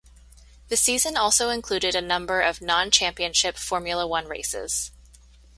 The season also included a number of non-championship Formula One races.